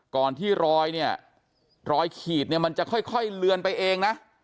ก่อนที่รอยเนี่ยรอยขีดเนี่ยมันจะค่อยเลือนไปเองนะ